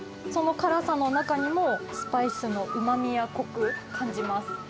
その辛さの中にも、スパイスのうまみやこく、感じます。